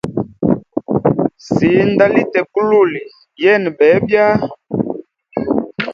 Sinda lite bululi yena bebya.